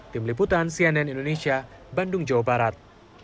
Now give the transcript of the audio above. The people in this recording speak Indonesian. tim liputan cnn indonesia bandung jawa barat